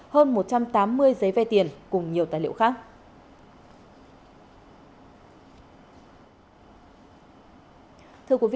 hơn một trăm tám mươi giấy vay tiền cùng nhiều tài liệu khác